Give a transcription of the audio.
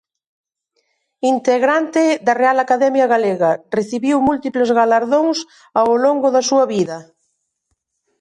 Integrante da Real Ademia Galega, recibiu múltiples galardóns ao longo da súa vida.